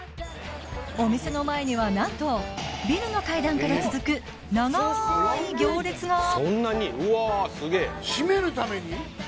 お店の前にはなんとビルの階段から続く長い行列がうわすげえ〆るために？